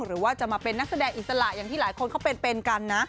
หรือว่าจะมาเป็นนักแสดงอิสระอย่างที่หลายคนเขาเป็นกันนะ